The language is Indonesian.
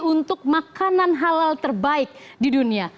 untuk makanan halal terbaik di dunia